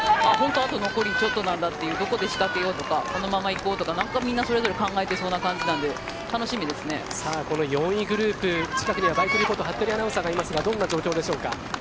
あと残りちょっとなんだというところで仕掛けようとかこのまま行こうとかそれぞれ考えてる感じなのでこの４位グループ近くにはバイクリポート服部アナウンサーがいますがどんな状況でしょうか。